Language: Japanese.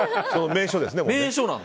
名所ですね。